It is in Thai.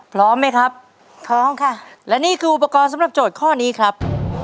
พร้อมไหมครับพร้อมค่ะและนี่คืออุปกรณ์สำหรับโจทย์ข้อนี้ครับ